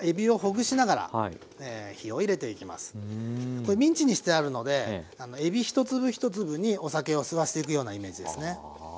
これミンチにしてあるのでえび一粒一粒にお酒を吸わせていくようなイメージですね。